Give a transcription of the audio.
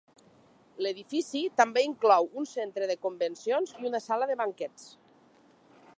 L'edifici també inclou un centre de convencions i una sala de banquets.